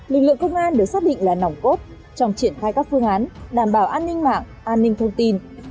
lực lượng công an được xác định là nòng cốt trong triển khai các phương án đảm bảo an ninh mạng an ninh thông tin